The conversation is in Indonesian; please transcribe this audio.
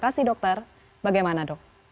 terima kasih dokter bagaimana dok